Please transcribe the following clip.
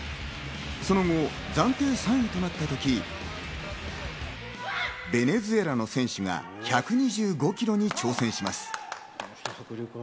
その後、暫定３位となったときベネズエラの選手が１２５ｋｇに挑戦します。